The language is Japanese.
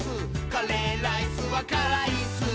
「カレーライスはからいっすー」